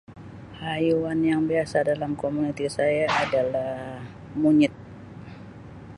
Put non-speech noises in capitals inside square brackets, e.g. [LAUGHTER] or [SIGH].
[NOISE] Haiwan yang biasa dalam komuniti saya [NOISE] adalah monyet